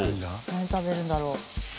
何食べるんだろう？